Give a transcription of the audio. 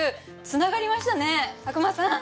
つながりましたね宅間さん。